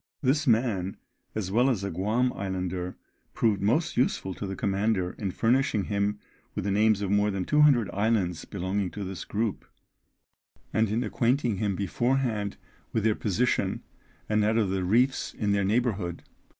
This man, as well as a Guam islander, proved most useful to the commander in furnishing him with the names of more than 200 islands belonging to this group, and in acquainting him beforehand with their position, and that of the reefs in their neighbourhood.